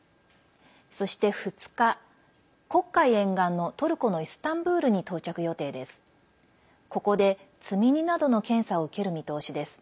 そして、２日黒海沿岸のトルコのイスタンブールに到着予定です。